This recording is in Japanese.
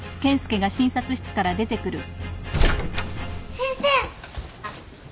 先生！